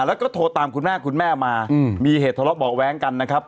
แล้วก็โทรตามคุณแม่คุณแม่มามีเหตุทะเลาะเบาะแว้งกันนะครับ